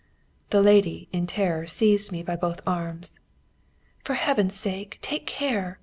] The lady, in terror, seized me by both arms. "For Heaven's sake, take care!